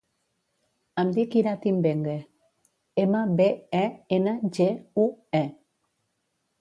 Em dic Irati Mbengue: ema, be, e, ena, ge, u, e.